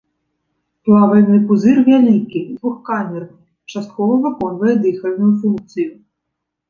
Плавальны пузыр вялікі, двухкамерны, часткова выконвае дыхальную функцыю.